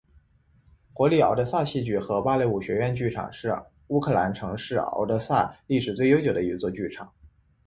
国立敖德萨戏剧和芭蕾舞学院剧场是乌克兰城市敖德萨历史最悠久的一座剧场。